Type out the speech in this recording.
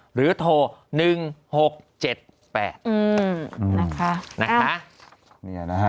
หรือโทร๑๖๗๘นะคะ